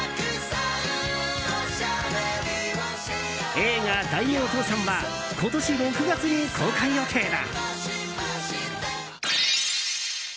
映画「大名倒産」は今年６月に公開予定だ。